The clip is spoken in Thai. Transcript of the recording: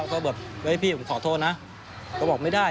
เกลียงพูดว่าไม่ได้